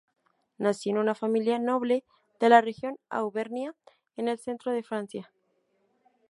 Nació en una familia noble de la región Auvernia, en el centro de Francia.